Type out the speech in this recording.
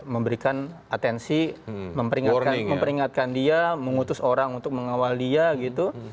memberikan atensi memperingatkan dia mengutus orang untuk mengawal dia gitu